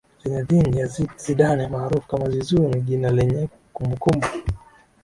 Zinedine Yazid Zidane maarufu kama Zizou ni jina lenye kumbukumbu